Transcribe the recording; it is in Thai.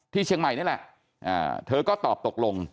เชียงใหม่นี่แหละเธอก็ตอบตกลง